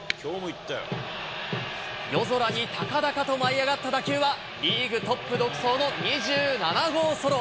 夜空に高々と舞い上がった打球は、リーグトップ独走の２７号ソロ。